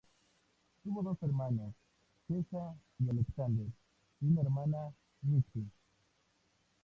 Tuvo dos hermanos, Geza y Alexander, y una hermana, Mitzi.